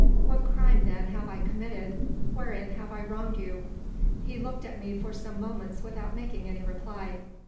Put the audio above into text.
What crime, then, have I committed? Wherein have I wronged you?" He looked at me for some moments without making any reply.